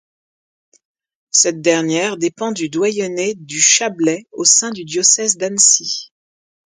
Cette dernière dépend du doyenné du Chablais au sein du diocèse d'Annecy.